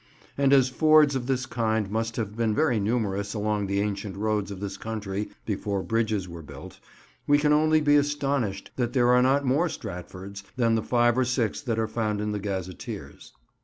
And as fords of this kind must have been very numerous along the ancient roads of this country before bridges were built, we can only be astonished that there are not more Stratfords than the five or six that are found in the gazetteers.